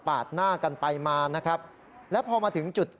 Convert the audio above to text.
เพราะถูกทำร้ายเหมือนการบาดเจ็บเนื้อตัวมีแผลถลอก